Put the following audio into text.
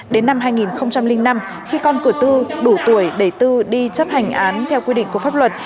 đến năm hai nghìn năm khi con cử tư đủ tuổi để tư đi chấp hành án theo quy định của pháp luật